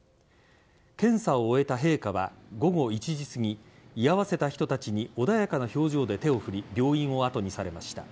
検査を終えた陛下は午後１時すぎ居合わせた人たちに穏やかな表情で手を振り病院を後にされました。